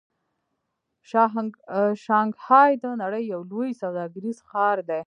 شانګهای د نړۍ یو لوی سوداګریز ښار دی.